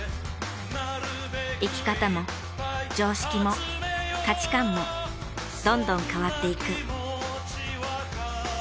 生き方も常識も価値観もどんどん変わっていく。